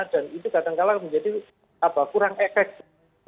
dan itu kadang kadang menjadi kurang efektif